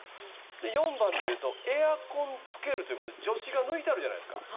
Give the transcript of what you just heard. ４番でいうと「エアコンつける」という助詞が抜いてあるじゃないですか。